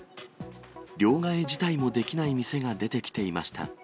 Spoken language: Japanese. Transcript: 両替自体もできない店が出てきていました。